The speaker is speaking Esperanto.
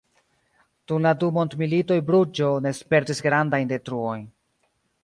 Dum la du mondmilitoj Bruĝo ne spertis grandajn detruojn.